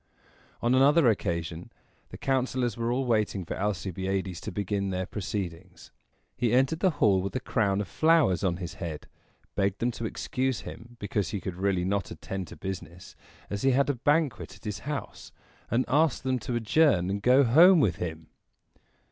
On another occasion the councilors were all waiting for Alcibiades to begin their proceedings. He entered the hall with a crown of flowers on his head; begged them to excuse him, because he could really not attend to business, as he had a banquet at his house; and asked them to adjourn and go home with him.